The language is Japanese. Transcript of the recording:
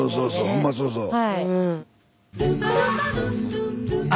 ほんまそうそう。